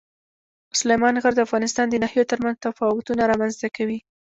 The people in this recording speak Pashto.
سلیمان غر د افغانستان د ناحیو ترمنځ تفاوتونه رامنځ ته کوي.